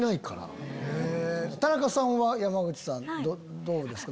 田中さんは山口さんどうですかね？